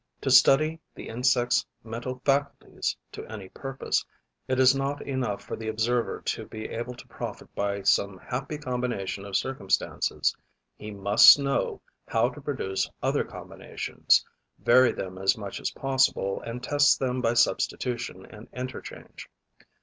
To study the insect's mental faculties to any purpose, it is not enough for the observer to be able to profit by some happy combination of circumstances: he must know how to produce other combinations, vary them as much as possible and test them by substitution and interchange.